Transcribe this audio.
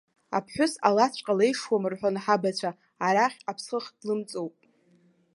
Аԥҳәыс алаҵәҟьа леишуам рҳәон ҳабацәа, арахь аԥсхых длымҵоуп!